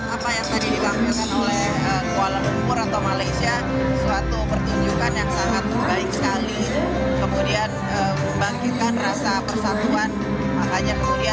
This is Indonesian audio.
apa yang tadi ditampilkan oleh kuala lumpur atau malaysia